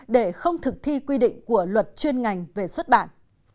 để không thực thi quy định của luật chuyên ngành về xuất bản